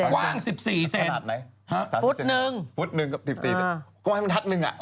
กว้าง๑๔เซ็นต์